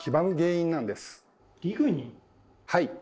はい。